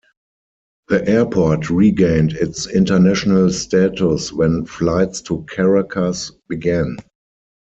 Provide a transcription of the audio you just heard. The airport regained its international status when flights to Caracas began.